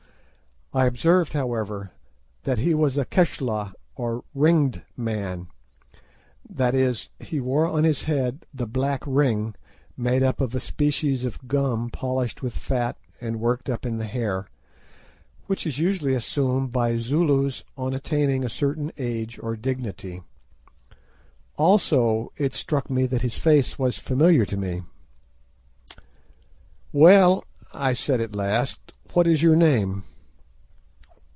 I observed, however, that he was a "Keshla" or ringed man; that is, he wore on his head the black ring, made of a species of gum polished with fat and worked up in the hair, which is usually assumed by Zulus on attaining a certain age or dignity. Also it struck me that his face was familiar to me. "Well," I said at last, "What is your name?"